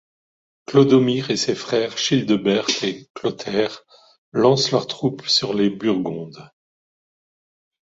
Clodomir et ses frères Childebert et Clotaire lancent leurs troupes sur les Burgondes.